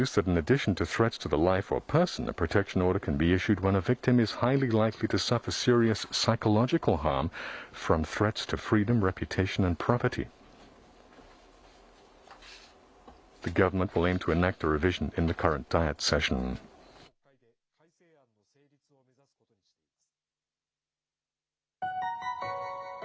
政府は、今の国会で改正案の成立を目指すことにしています。